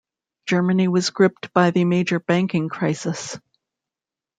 Germany was gripped by a major banking crisis.